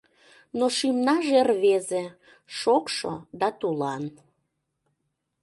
Но шӱмнаже рвезе, шокшо да тулан.